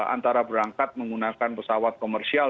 antara berangkat menggunakan pesawat komersial